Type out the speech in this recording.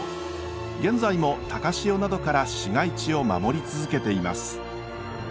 現在も高潮などから市街地を守り続けています。